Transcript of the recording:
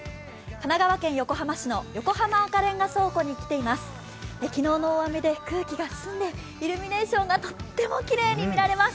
神奈川県横浜市の横浜赤レンガ倉庫に来ています。